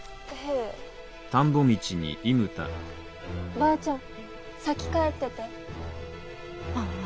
ばあちゃん先帰ってて。